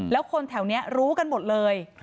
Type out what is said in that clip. แล้วคนแถวนี้รู้กันหมดเลย